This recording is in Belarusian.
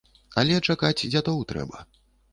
Але чакаць дзядоў трэба.